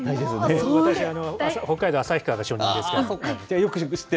私、北海道旭川が初任ですから。